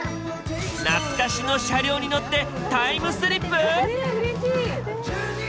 懐かしの車両に乗ってタイムスリップ！？